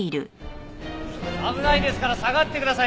危ないですから下がってください